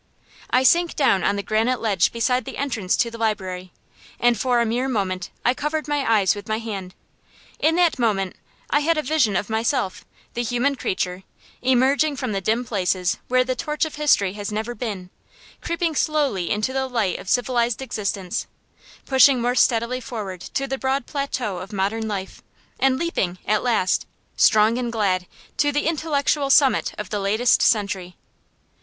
I sank down on the granite ledge beside the entrance to the Library, and for a mere moment I covered my eyes with my hand. In that moment I had a vision of myself, the human creature, emerging from the dim places where the torch of history has never been, creeping slowly into the light of civilized existence, pushing more steadily forward to the broad plateau of modern life, and leaping, at last, strong and glad, to the intellectual summit of the latest century.